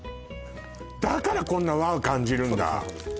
だからこんな和を感じるんだそうですね